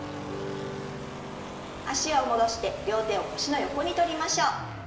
脚を戻して両手を腰の横にとりましょう。